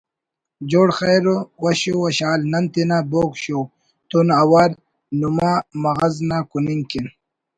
جوڑ خیر وش وشحال: نن تینا ”بوگ شو“ تون اوار نما مغز نا کننگ کن